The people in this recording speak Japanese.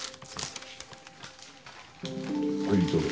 はいどうぞ。